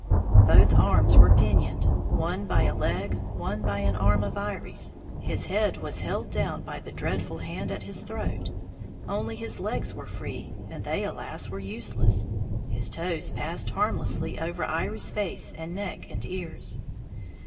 Both arms were pinioned, one by a leg, one by an arm of Iry's, his head was held down by the dreadful hand at his throat; only his legs were free, and they alas, were useless, his toes passed harmlessly over Iry's face and neck and ears!